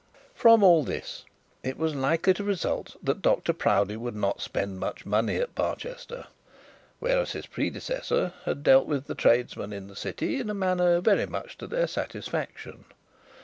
From all this it was likely to result that Dr Proudie would not spend much money at Barchester; whereas his predecessor had dealt with the tradesmen of the city in a manner very much to their satisfaction.